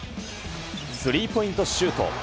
スリーポイントシュート。